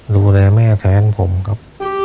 ดูแลแม่แทนผมครับ